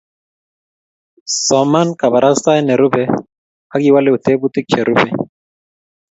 soman kabarastae ne rubei akiwolu tebutik che rubei